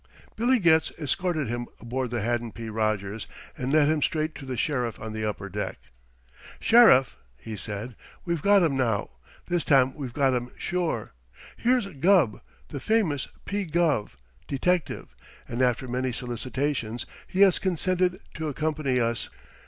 Billy Getz escorted him aboard the Haddon P. Rogers and led him straight to the Sheriff on the upper deck. "Sheriff," he said, "we've got 'em now! This time we've got 'em sure. Here's Gubb, the famous P. Gubb, detective, and after many solicitations he has consented to accompany us.